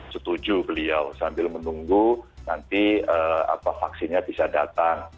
setuju beliau sambil menunggu nanti vaksinnya bisa datang